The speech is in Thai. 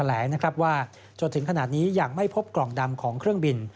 แหลงนะครับว่าจนถึงขนาดนี้ยังไม่พบกล่องดำของเครื่องบิน